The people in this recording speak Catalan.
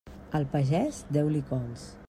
Al pagès, deu-li cols.